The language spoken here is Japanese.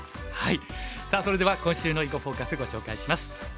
さあそれでは今週の「囲碁フォーカス」ご紹介します。